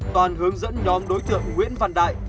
toàn hướng dẫn nhóm đối tượng nguyễn văn đại